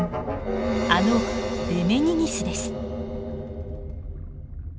あのデメニギスです。